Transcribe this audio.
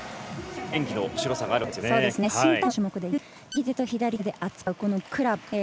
新体操の種目で唯一右手と左手で扱うクラブ。